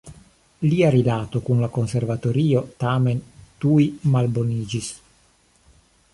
Lia rilato kun la konservatorio tamen tuj malboniĝis.